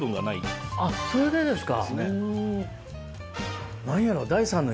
あっそれでですか。